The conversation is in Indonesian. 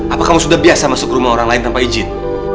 apakah kamu sudah biasa masuk ke rumah orang lain tanpa izin